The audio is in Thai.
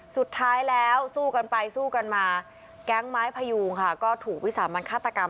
สุดท้ายแล้วสู้กันไปสู้กันมาแก๊งไม้พยูงค่ะก็ถูกวิสามันฆาตกรรม